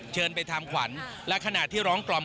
เชิญไปทำขวัญและขณะที่ร้องกล่อม